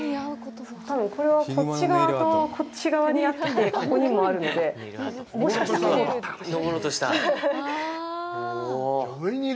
多分これはこっち側とこっち側にあってここにもあるので、もしかしたらこうだったかもしれない。